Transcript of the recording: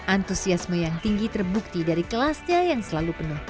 antusiasme yang tinggi terbukti dari kelasnya yang selalu penuh